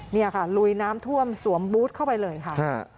นี่ค่ะลุยน้ำท่วมสวมบูธเข้าไปเลยค่ะ